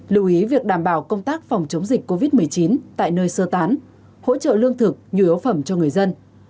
lưu ý việc đảm bảo công tác phòng chống dịch covid một mươi chín tại nơi sơ tán hỗ trợ lương thực nhu yếu phẩm cho người dân